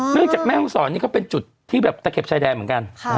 จากแม่ห้องศรนี่ก็เป็นจุดที่แบบตะเข็บชายแดนเหมือนกัน